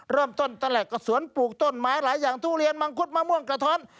เริ่มต้นตลกกะสวนปลูกต้นไม้หลายอย่างตู้เรียนมังคุดมะม่วงกะท้อน